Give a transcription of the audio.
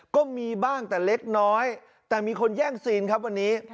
ก็มีบ้างแต่เล็กน้อยแต่มีคนแย่งซีนครับวันนี้